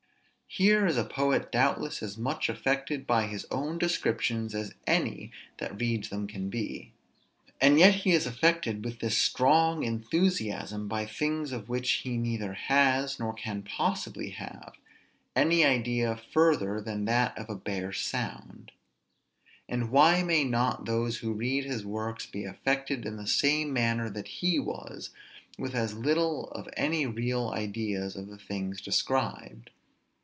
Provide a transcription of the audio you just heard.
Here is a poet doubtless as much affected by his own descriptions as any that reads them can be; and yet he is affected with this strong enthusiasm by things of which he neither has, nor can possibly have, any idea further than that of a bare sound: and why may not those who read his works be affected in the same manner that he was; with as little of any real ideas of the things described?